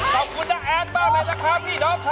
ขอบคุณแป๊บมากนะจ๊ะครับพี่น้องครับ